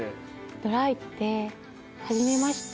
ドライって「初めまして」